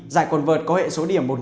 giải quần vợt có hệ số điểm một